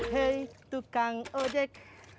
hey tukang ojek